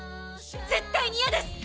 絶対に嫌です。